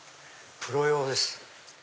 プロ用です。